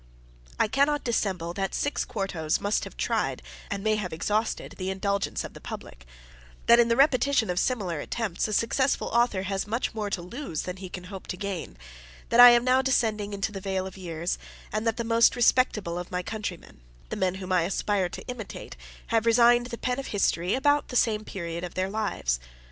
I cannot dissemble that six quartos must have tried, and may have exhausted, the indulgence of the Public; that, in the repetition of similar attempts, a successful Author has much more to lose than he can hope to gain; that I am now descending into the vale of years; and that the most respectable of my countrymen, the men whom I aspire to imitate, have resigned the pen of history about the same period of their lives.